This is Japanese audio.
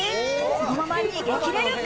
このまま逃げ切れるか？